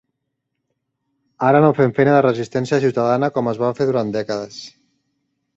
Ara no fem feina de resistència ciutadana com es va fer durant dècades.